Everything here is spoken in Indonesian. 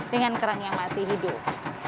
dengan kerang yang masih hidup